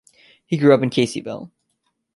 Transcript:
He grew up in Caseyville.